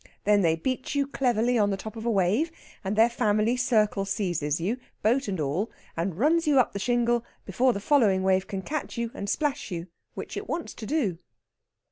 Then they beach you cleverly on the top of a wave, and their family circle seizes you, boat and all, and runs you up the shingle before the following wave can catch you and splash you, which it wants to do.